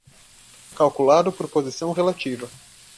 Calculado por posição relativa